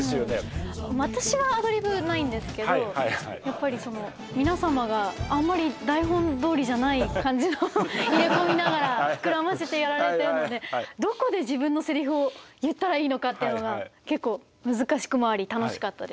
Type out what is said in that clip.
私はアドリブないんですけどやっぱり皆様があんまり台本どおりじゃない感じのを入れ込みながら膨らませてやられてるのでどこで自分のせりふを言ったらいいのかっていうのが結構難しくもあり楽しかったですね。